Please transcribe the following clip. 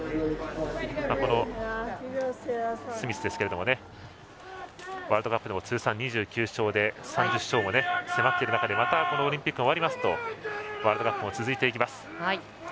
このスミスですがワールドカップでも通算２９勝で３０勝も迫っている中でオリンピックが終わりますとワールドカップも続いていきます。